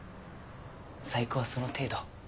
細工はその程度。